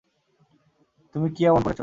তুমি কী এমন করেছো?